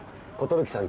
寿さん